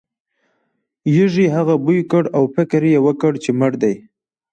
یږې هغه بوی کړ او فکر یې وکړ چې مړ دی.